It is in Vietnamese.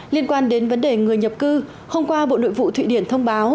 liên quan đến vấn đề người nhập cư hôm qua bộ nội vụ thụy điển thông báo